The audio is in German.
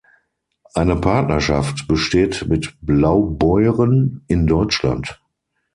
Eine Partnerschaft besteht mit Blaubeuren in Deutschland.